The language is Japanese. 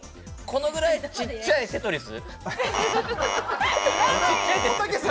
このくらいちっちゃいテトリス。